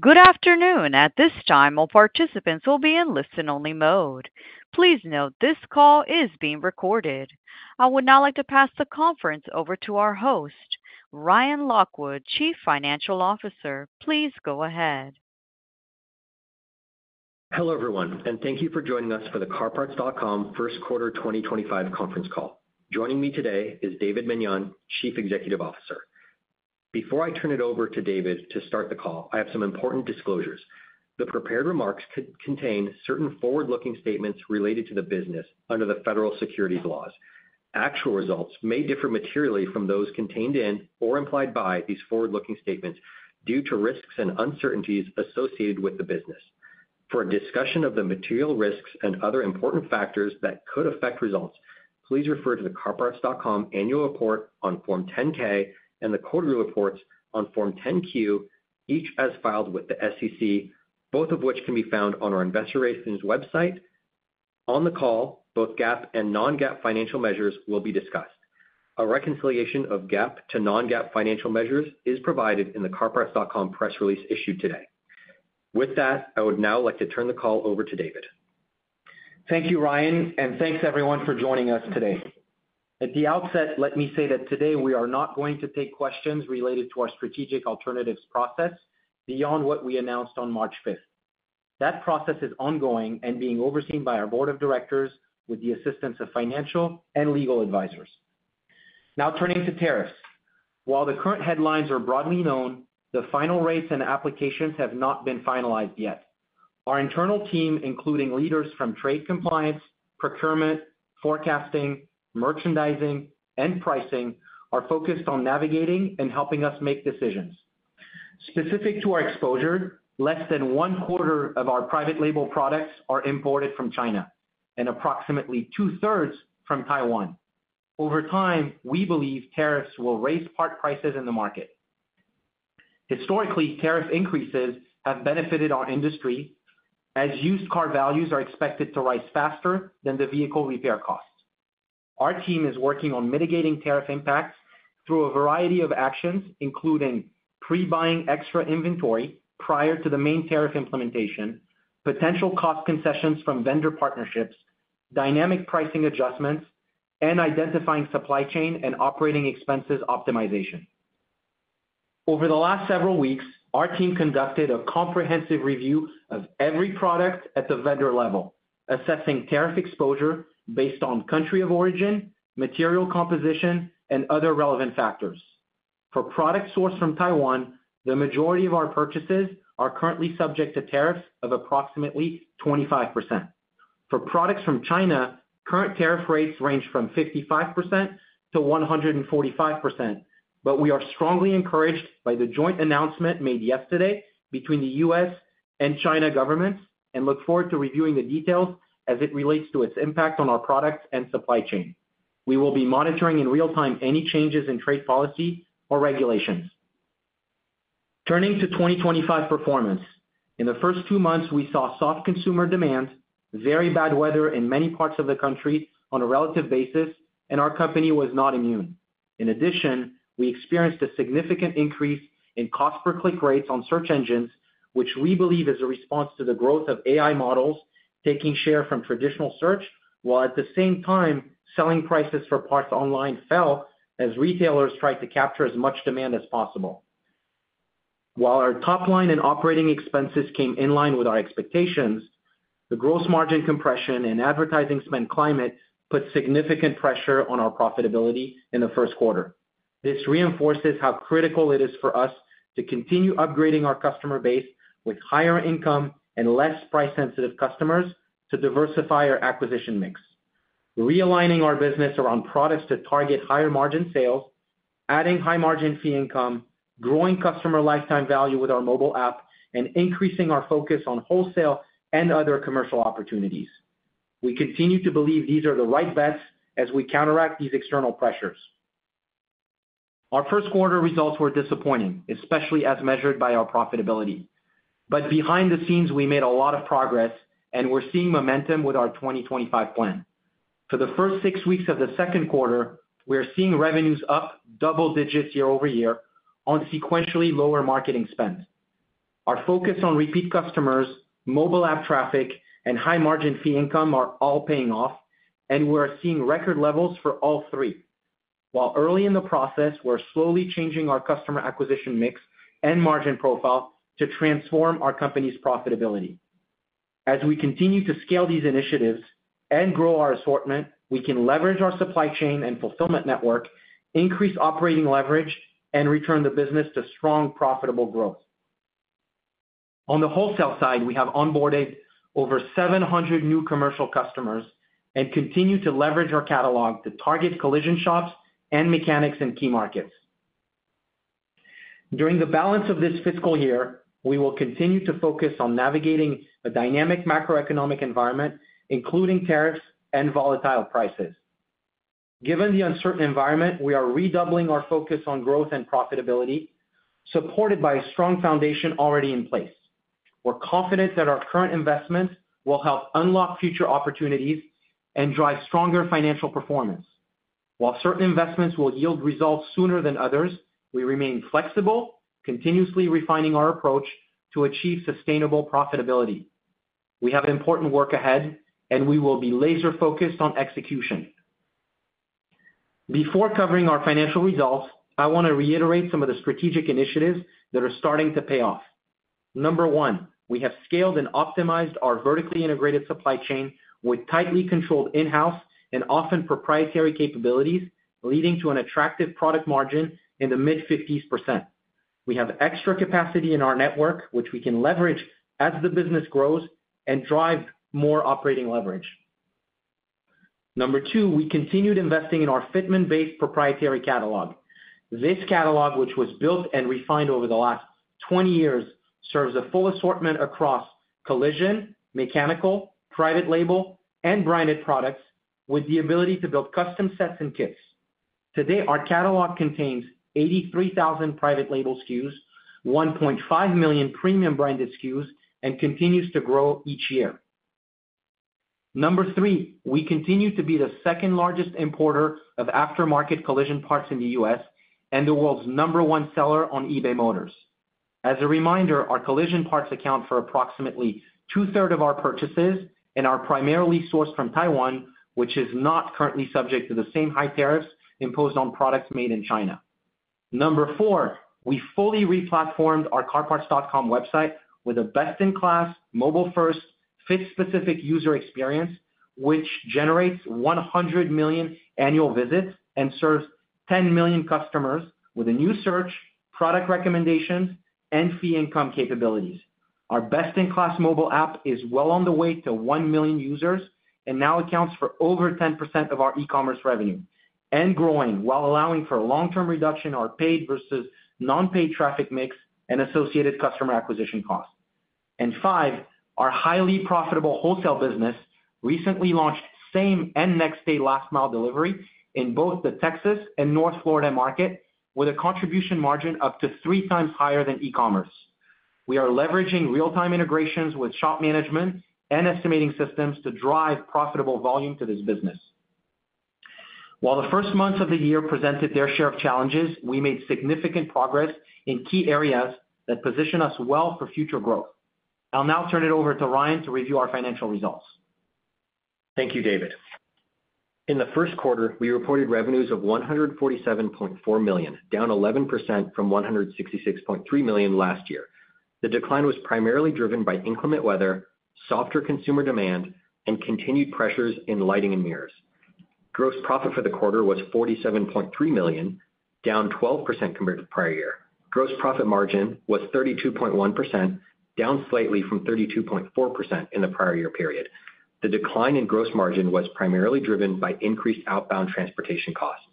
Good afternoon. At this time, all participants will be in listen-only mode. Please note this call is being recorded. I would now like to pass the conference over to our host, Ryan Lockwood, Chief Financial Officer. Please go ahead. Hello, everyone, and thank you for joining us for the CarParts.com First Quarter 2025 conference call. Joining me today is David Meniane, Chief Executive Officer. Before I turn it over to David to start the call, I have some important disclosures. The prepared remarks contain certain forward-looking statements related to the business under the federal securities laws. Actual results may differ materially from those contained in or implied by these forward-looking statements due to risks and uncertainties associated with the business. For a discussion of the material risks and other important factors that could affect results, please refer to the CarParts.com Annual Report on Form 10-K and the Quarterly Reports on Form 10-Q, each as filed with the SEC, both of which can be found on our Investor Relations website. On the call, both GAAP and non-GAAP financial measures will be discussed. A reconciliation of GAAP to non-GAAP financial measures is provided in the CarParts.com press release issued today. With that, I would now like to turn the call over to David. Thank you, Ryan, and thanks, everyone, for joining us today. At the outset, let me say that today we are not going to take questions related to our strategic alternatives process beyond what we announced on March 5th. That process is ongoing and being overseen by our Board of Directors with the assistance of financial and legal advisors. Now, turning to tariffs. While the current headlines are broadly known, the final rates and applications have not been finalized yet. Our internal team, including leaders from trade compliance, procurement, forecasting, merchandising, and pricing, are focused on navigating and helping us make decisions. Specific to our exposure, less than one quarter of our private label products are imported from China and approximately two-thirds from Taiwan. Over time, we believe tariffs will raise part prices in the market. Historically, tariff increases have benefited our industry, as used car values are expected to rise faster than the vehicle repair costs. Our team is working on mitigating tariff impacts through a variety of actions, including pre-buying extra inventory prior to the main tariff implementation, potential cost concessions from vendor partnerships, dynamic pricing adjustments, and identifying supply chain and operating expenses optimization. Over the last several weeks, our team conducted a comprehensive review of every product at the vendor level, assessing tariff exposure based on country of origin, material composition, and other relevant factors. For products sourced from Taiwan, the majority of our purchases are currently subject to tariffs of approximately 25%. For products from China, current tariff rates range from 55%-145%, but we are strongly encouraged by the joint announcement made yesterday between the U.S. and China governments, and look forward to reviewing the details as it relates to its impact on our products and supply chain. We will be monitoring in real time any changes in trade policy or regulations. Turning to 2025 performance, in the first two months, we saw soft consumer demand, very bad weather in many parts of the country on a relative basis, and our company was not immune. In addition, we experienced a significant increase in cost-per-click rates on search engines, which we believe is a response to the growth of AI models taking share from traditional search, while at the same time, selling prices for parts online fell as retailers tried to capture as much demand as possible. While our top line and operating expenses came in line with our expectations, the gross margin compression and advertising spend climate put significant pressure on our profitability in the first quarter. This reinforces how critical it is for us to continue upgrading our customer base with higher income and less price-sensitive customers to diversify our acquisition mix. Realigning our business around products to target higher margin sales, adding high-margin fee income, growing customer lifetime value with our mobile app, and increasing our focus on wholesale and other commercial opportunities. We continue to believe these are the right bets as we counteract these external pressures. Our first-quarter results were disappointing, especially as measured by our profitability. Behind the scenes, we made a lot of progress, and we're seeing momentum with our 2025 plan. For the first six weeks of the second quarter, we are seeing revenues up double digits year over year on sequentially lower marketing spend. Our focus on repeat customers, mobile app traffic, and high-margin fee income are all paying off, and we are seeing record levels for all three. While early in the process, we're slowly changing our customer acquisition mix and margin profile to transform our company's profitability. As we continue to scale these initiatives and grow our assortment, we can leverage our supply chain and fulfillment network, increase operating leverage, and return the business to strong, profitable growth. On the wholesale side, we have onboarded over 700 new commercial customers and continue to leverage our catalog to target collision shops and mechanics in key markets. During the balance of this fiscal year, we will continue to focus on navigating a dynamic macroeconomic environment, including tariffs and volatile prices. Given the uncertain environment, we are redoubling our focus on growth and profitability, supported by a strong foundation already in place. We're confident that our current investments will help unlock future opportunities and drive stronger financial performance. While certain investments will yield results sooner than others, we remain flexible, continuously refining our approach to achieve sustainable profitability. We have important work ahead, and we will be laser-focused on execution. Before covering our financial results, I want to reiterate some of the strategic initiatives that are starting to pay off. Number one, we have scaled and optimized our vertically integrated supply chain with tightly controlled in-house and often proprietary capabilities, leading to an attractive product margin in the mid-50% range. We have extra capacity in our network, which we can leverage as the business grows and drive more operating leverage. Number two, we continued investing in our Fitment-based proprietary catalog. This catalog, which was built and refined over the last 20 years, serves a full assortment across collision, mechanical, private label, and branded products, with the ability to build custom sets and kits. Today, our catalog contains 83,000 private label SKUs, 1.5 million premium branded SKUs, and continues to grow each year. Number three, we continue to be the second-largest importer of aftermarket collision parts in the U.S. and the world's number one seller on eBay Motors. As a reminder, our collision parts account for approximately two-thirds of our purchases and are primarily sourced from Taiwan, which is not currently subject to the same high tariffs imposed on products made in China. Number four, we fully replatformed our CarParts.com website with a best-in-class, mobile-first, fit-specific user experience, which generates 100 million annual visits and serves 10 million customers with a new search, product recommendations, and fee income capabilities. Our best-in-class mobile app is well on the way to 1 million users and now accounts for over 10% of our e-commerce revenue, and growing while allowing for a long-term reduction in our paid versus non-paid traffic mix and associated customer acquisition costs. Five, our highly profitable wholesale business recently launched same and next-day last-mile delivery in both the Texas and North Florida market, with a contribution margin up to three times higher than e-commerce. We are leveraging real-time integrations with shop management and estimating systems to drive profitable volume to this business. While the first months of the year presented their share of challenges, we made significant progress in key areas that position us well for future growth. I'll now turn it over to Ryan to review our financial results. Thank you, David. In the first quarter, we reported revenues of $147.4 million, down 11% from $166.3 million last year. The decline was primarily driven by inclement weather, softer consumer demand, and continued pressures in lighting and mirrors. Gross profit for the quarter was $47.3 million, down 12% compared to the prior year. Gross profit margin was 32.1%, down slightly from 32.4% in the prior year period. The decline in gross margin was primarily driven by increased outbound transportation costs.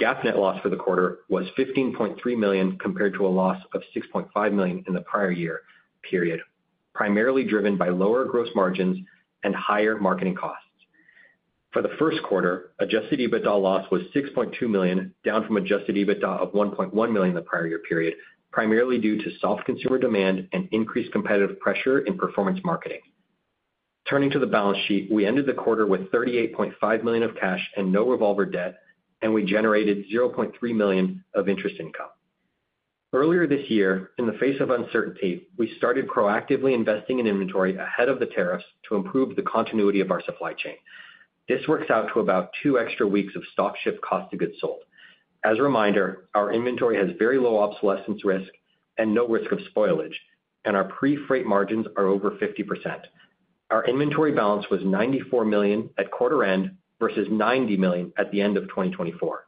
GAAP net loss for the quarter was $15.3 million compared to a loss of $6.5 million in the prior year period, primarily driven by lower gross margins and higher marketing costs. For the first quarter, adjusted EBITDA loss was $6.2 million, down from adjusted EBITDA of $1.1 million in the prior year period, primarily due to soft consumer demand and increased competitive pressure in performance marketing. Turning to the balance sheet, we ended the quarter with $38.5 million of cash and no revolver debt, and we generated $0.3 million of interest income. Earlier this year, in the face of uncertainty, we started proactively investing in inventory ahead of the tariffs to improve the continuity of our supply chain. This works out to about two extra weeks of stock ship cost of goods sold. As a reminder, our inventory has very low obsolescence risk and no risk of spoilage, and our pre-freight margins are over 50%. Our inventory balance was $94 million at quarter end versus $90 million at the end of 2024.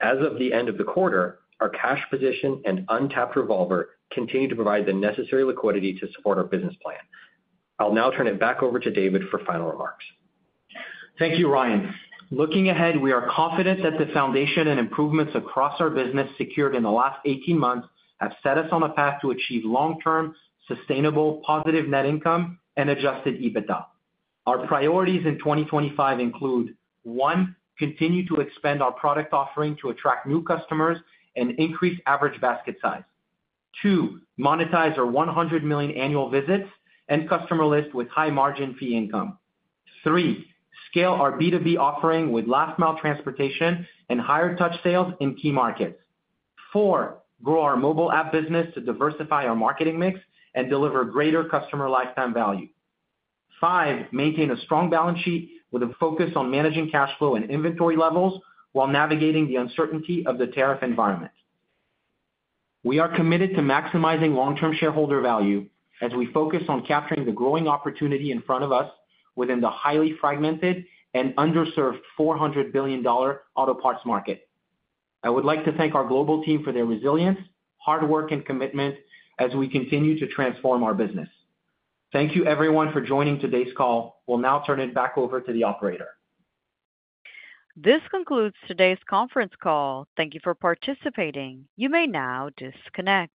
As of the end of the quarter, our cash position and untapped revolver continue to provide the necessary liquidity to support our business plan. I'll now turn it back over to David for final remarks. Thank you, Ryan. Looking ahead, we are confident that the foundation and improvements across our business secured in the last 18 months have set us on a path to achieve long-term, sustainable, positive net income and adjusted EBITDA. Our priorities in 2025 include: one, continue to expand our product offering to attract new customers and increase average basket size; two, monetize our 100 million annual visits and customer list with high margin fee income; three, scale our B2B offering with last-mile transportation and higher touch sales in key markets; four, grow our mobile app business to diversify our marketing mix and deliver greater customer lifetime value; five, maintain a strong balance sheet with a focus on managing cash flow and inventory levels while navigating the uncertainty of the tariff environment. We are committed to maximizing long-term shareholder value as we focus on capturing the growing opportunity in front of us within the highly fragmented and underserved $400 billion auto parts market. I would like to thank our global team for their resilience, hard work, and commitment as we continue to transform our business. Thank you, everyone, for joining today's call. We'll now turn it back over to the operator. This concludes today's conference call. Thank you for participating. You may now disconnect.